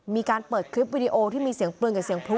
มีการเปิดคลิปวิดีโอที่มีเสียงปืนกับเสียงพลุ